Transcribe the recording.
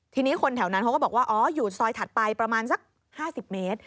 ทีนี้คนแถวนั้นเขาก็บอกว่าอ๋ออยู่ซอยถัดไปประมาณสัก๕๐เมตร